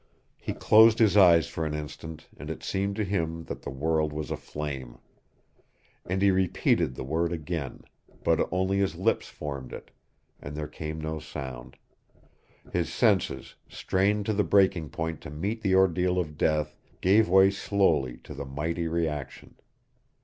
He closed his eyes for an instant, and it seemed to him that the world was aflame. And he repeated the word again, but only his lips formed it, and there came no sound. His senses, strained to the breaking point to meet the ordeal of death, gave way slowly to the mighty reaction.